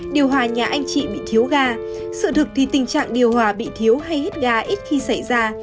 điều hòa nhà anh chị bị thiếu ga sự thực thì tình trạng điều hòa bị thiếu hay hít ga ít khi xảy ra